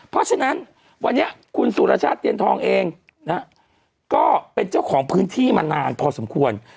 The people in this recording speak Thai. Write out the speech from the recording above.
เพราะฉะนั้นวันนี้คุณสุรชาติเตียนทองเองนะฮะก็เป็นเจ้าของพื้นที่มานานพอสมควร